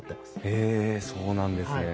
へえそうなんですね。